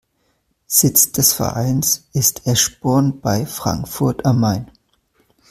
Sitz des Vereins ist Eschborn bei Frankfurt am Main.